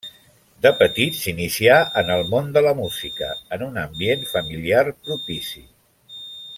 De petit s’inicià en el món de la música, en un ambient familiar propici.